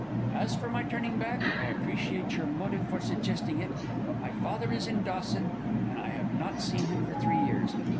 As for my turning back, I appreciate your motive for suggesting it, but my father is in Dawson, and I have not seen him for three years.